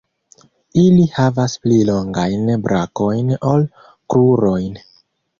Ili havas pli longajn brakojn ol krurojn.